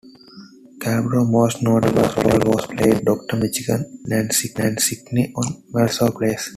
Calabro's most notable role was playing Doctor Michael Mancini on "Melrose Place".